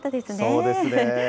そうですね。